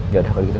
jodoh kalau gitu